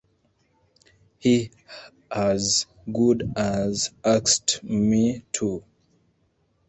He as good as asked me to.